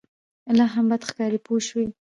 لا هم بد ښکاري پوه شوې!.